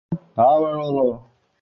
澳洲弹鼠属等之数种哺乳动物。